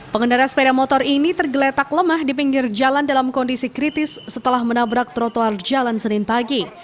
pengendara sepeda motor ini tergeletak lemah di pinggir jalan dalam kondisi kritis setelah menabrak trotoar jalan senin pagi